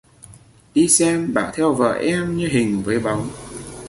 Đi xem bảo theo vợ em như hình với bóng